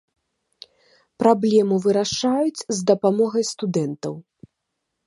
Праблему вырашаюць з дапамогай студэнтаў.